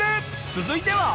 続いては。